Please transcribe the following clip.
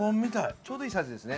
ちょうどいいサイズですね。